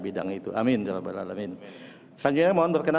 bapak yandre yang saya hormati